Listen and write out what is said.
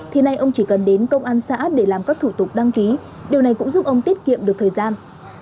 thì nay ông chỉ cần đến công an xã để làm các thủ tục đăng ký điều này cũng giúp ông tiết kiệm được thời gian